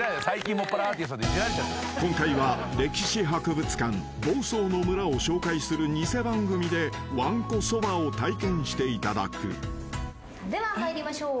［今回は歴史博物館房総のむらを紹介する偽番組でわんこそばを体験していただく］では参りましょう。